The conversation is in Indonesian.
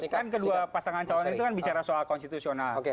kan kedua pasangan calon itu kan bicara soal konstitusional